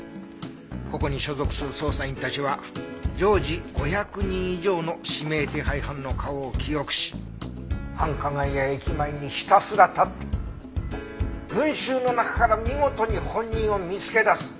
ここに所属する捜査員たちは常時５００人以上の指名手配犯の顔を記憶し繁華街や駅前にひたすら立って群衆の中から見事に本人を見つけ出す。